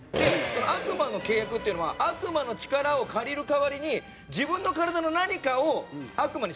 その悪魔の契約っていうのは悪魔の力を借りる代わりに自分の体の何かを悪魔に捧げるんです。